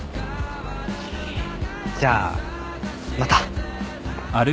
じゃあまた。